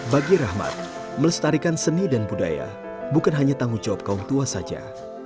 bagi rahmat melestarikan seni dan budaya bukan hanya tanggung jawab kaum tua saja